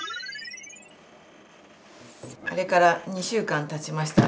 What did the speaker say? あれから２週間たちました。